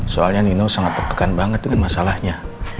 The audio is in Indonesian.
soalnya nino sangat tertekan banget dengan masalahnya